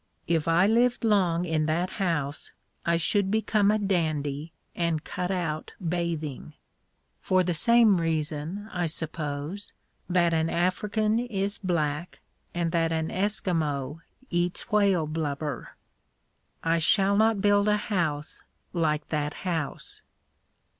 If I lived long in that house I should become a dandy and cut out bathing for the same reason, I suppose, that an African is black and that an Eskimo eats whale blubber. I shall not build a house like that house.